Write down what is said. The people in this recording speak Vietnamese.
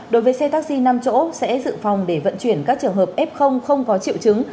đối với xe taxi năm chỗ sẽ dự phòng để vận chuyển các trường hợp f không có triệu chứng